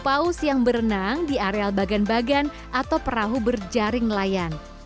paus yang berenang di areal bagan bagan atau perahu berjaring nelayan